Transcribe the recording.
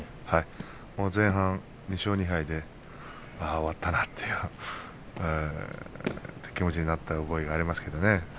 前半２勝２敗でああ終わったなとそういう気持ちになった覚えがあります。